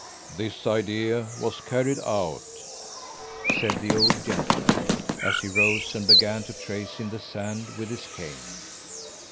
"This idea was carried out," said the old gentleman, as he rose and began to trace in the sand again with his cane.